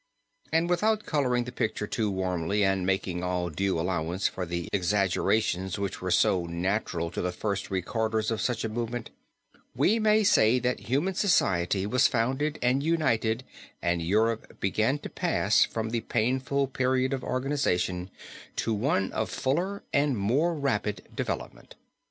And without coloring the picture too warmly, and making all due allowance for the exaggerations which were so natural to the first recorders of such a movement, we may say that human society was founded and united and Europe began to pass from the painful period of organization, to one of fuller and more rapid development."